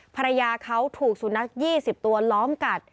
ภรรยาเขาถูกสุนัข๒๐ตัวล้อมกัด